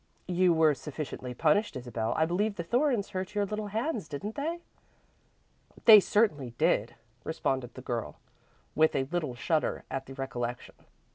"You were sufficiently punished, Isabel. I believe the thorns hurt your little hands, didn't they?" "They certainly did," responded the girl, with a little shudder at the recollection.